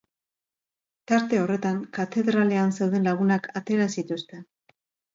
Tarte horretan, katedralean zeuden lagunak atera zituzten.